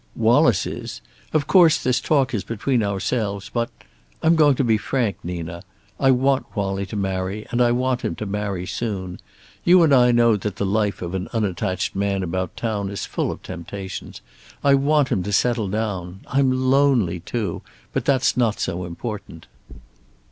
"Wallace is. Of course, this talk is between ourselves, but I'm going to be frank, Nina. I want Wallie to marry, and I want him to marry soon. You and I know that the life of an unattached man about town is full of temptations. I want him to settle down. I'm lonely, too, but that's not so important."